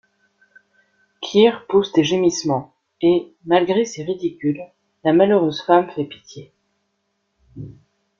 Kear pousse des gémissements, et, malgré ses ridicules, la malheureuse femme fait pitié.